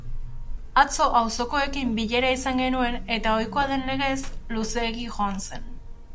Atzo auzokoekin bilera izan genuen eta ohikoa den legez, luzeegi joan zen.